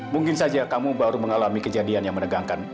mungkin saja kamu baru mengalami kejadian yang menegangkan